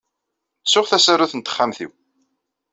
Ttuɣ tasarut n texxamt-inu.